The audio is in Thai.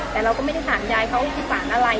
แต่เราก็ไม่ได้ถามยายเขาว่าคือสารอะไร